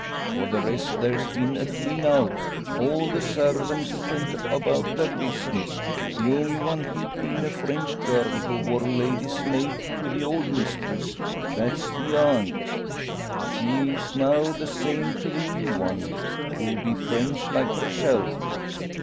For the rest there's been a clean out all the sarvints sent about their business; the only one kep' bein' a French girl who wor lady's maid to the old mistress that's the aunt. She's now the same to the new one, who be French, like herself."